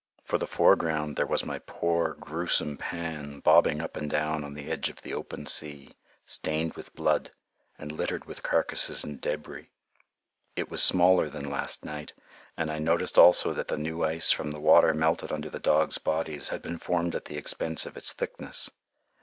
For the foreground there was my poor, gruesome pan, bobbing up and down on the edge of the open sea, stained with blood, and littered with carcasses and débris. It was smaller than last night, and I noticed also that the new ice from the water melted under the dogs' bodies had been formed at the expense of its thickness.